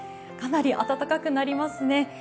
かなり暖かくなりますね。